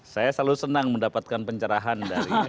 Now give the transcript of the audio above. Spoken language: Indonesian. saya selalu senang mendapatkan pencerahan dari